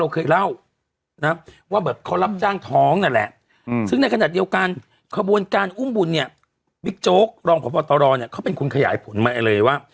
เขาก็เอาตึกเนี่ยมาซอยเป็นห้อง